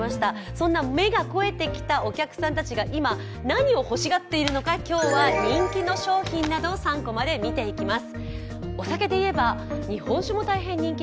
そんな目が肥えてきたお客さんたちが今何を欲しがっているのか、今日は人気の商品などを３コマで見ていきます。